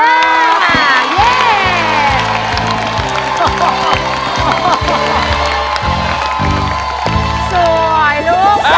มาโง่สวายลูก